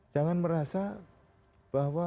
jangan merasa bahwa